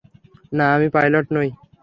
না, আমি পাইলট নই।